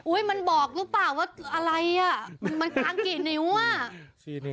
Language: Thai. มันบอกหรือเปล่าว่าอะไรอ่ะมันค้างกี่นิ้วอ่ะ